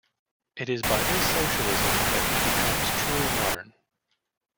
It is by this socialism that he becomes truly modern.